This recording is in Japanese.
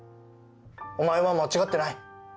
お前は間違ってない